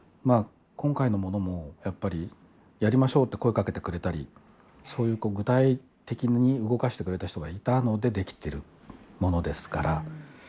今回のものも、やりましょうと声をかけてくれたりそういう具体的に動かしてくれた人がいたのでできているものですから。